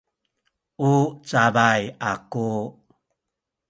u cabay aku